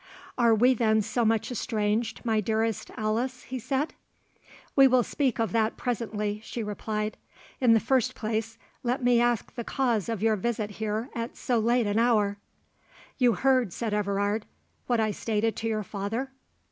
"Are we then so much estranged, my dearest Alice?" he said. "We will speak of that presently," she replied. "In the first place, let me ask the cause of your visit here at so late an hour." "You heard," said Everard, "what I stated to your father?"